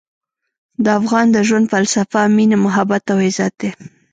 د افغان د ژوند فلسفه مینه، محبت او عزت دی.